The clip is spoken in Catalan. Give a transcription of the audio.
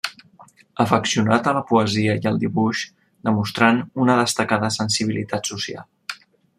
Afeccionat a la poesia i el dibuix, demostrant una destacada sensibilitat social.